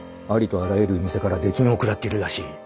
ありとあらゆる店から出禁を食らっているらしい。